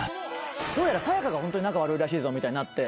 どうやらさや香がホントに仲悪いらしいぞみたいになって。